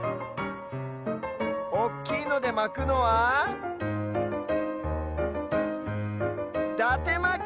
おっきいのでまくのはだてまき！